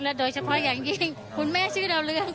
โดยเฉพาะอย่างยิ่งคุณแม่ชื่อดาวเรือง